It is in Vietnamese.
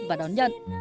và đón nhận